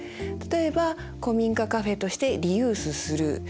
例えば古民家カフェとしてリユースする。